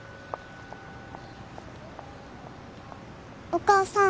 お母さん。